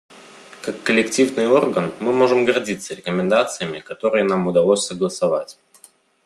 Как коллективный орган мы можем гордиться рекомендациями, которые нам удалось согласовать.